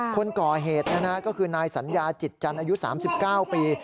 คนก่อเหตุก็คือนายสัญญาจิตจันทร์อายุ๓๙ปี